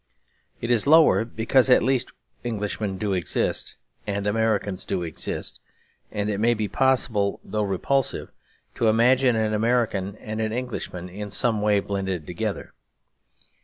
It is lower, because at least Englishmen do exist and Americans do exist; and it may be possible, though repulsive, to imagine an American and an Englishman in some way blended together.